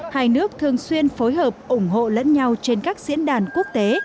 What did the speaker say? hai nước thường xuyên phối hợp ủng hộ lẫn nhau trên các diễn đàn quốc tế